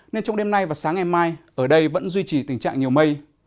nên trong đêm nay và sáng ngày mai ở đây vẫn duy trì tình trạng nhiều mây